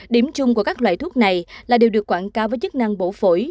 điểm chung của các loại thuốc này là đều được quảng cáo với chức năng bổ phổi